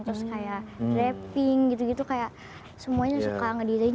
terus kayak wrapping gitu gitu kayak semuanya suka ngedesign juga suka